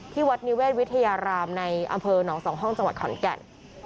วัดนิเวศวิทยารามในอำเภอหนองสองห้องจังหวัดขอนแก่น